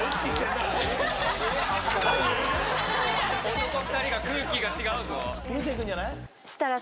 男２人が空気が違うぞ。